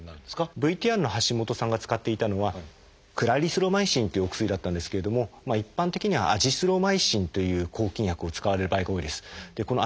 ＶＴＲの橋下さんが使っていたのはクラリスロマイシンというお薬だったんですけれども一般的にはアジスロマイシンという抗菌薬を使われる場合が多いです。